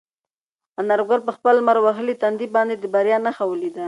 انارګل په خپل لمر وهلي تندي باندې د بریا نښه ولیده.